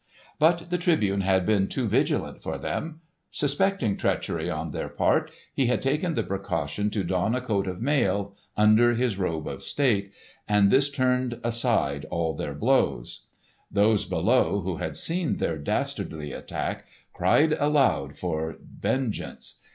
But the Tribune had been too vigilant for them. Suspecting treachery on their part he had taken the precaution to don a coat of mail, under his robe of state, and this turned aside all their blows. Those below who had seen their dastardly attack cried aloud for vengeance.